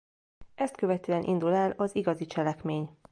Ezt követően indul el az igazi cselekmény.